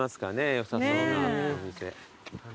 よさそうなお店。